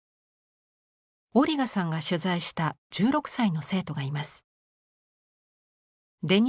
オリガさんが取材した１６歳の生徒がいます。